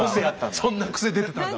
そんな癖出てたんだ。